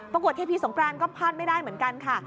กวดเทพีสงกรานก็พลาดไม่ได้เหมือนกันค่ะ